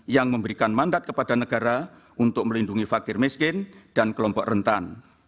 yang memberikan mandat kepada negara untuk melindungi fakir miskin dan kelompok rentan